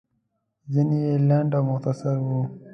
ځينې يې لنډ او مختصر وو.